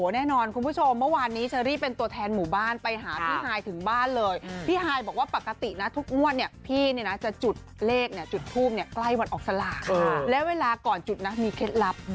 แล้วเชอรี่จะออกแล้วพรุ่งนี้เดี๋ยวเราจะรวยกันแล้วใช่ไหมครับ